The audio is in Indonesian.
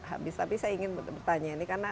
habis tapi saya ingin bertanya ini karena